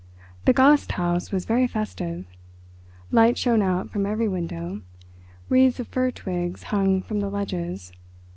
The Gasthaus was very festive. Lights shone out from every window, wreaths of fir twigs hung from the ledges.